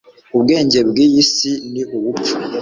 ubwenge bw'iyi si ni ubupfu